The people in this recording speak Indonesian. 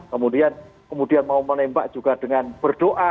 kemudian mau menembak juga dengan berdoa